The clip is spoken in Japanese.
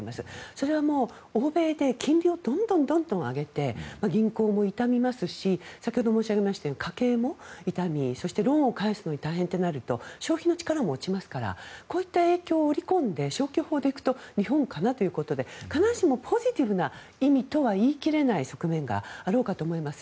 それはもう欧米で金利をどんどん上げて銀行も痛みますし先ほど申し上げましたように家計も痛みそして、ローンを返すが大変となりますと消費の力も落ちますからこういった影響を織り込んで消去法で行くと日本かなということで必ずしもポジティブな意味とは言い切れない側面があろうかと思います。